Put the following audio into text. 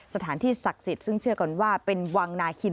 สถานที่ศักดิ์สิทธิ์ซึ่งเชื่อกันว่าเป็นวังนาคิน